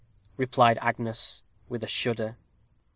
replied Agnes, with a shudder.